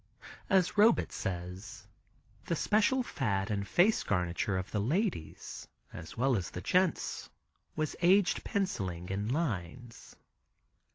As Robet said, the special fad in face garniture of the ladies, as well as the gents, was aged penciling in lines.